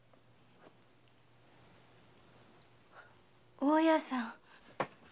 大家さん。